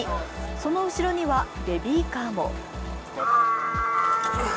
その後ろにはベビーカーも。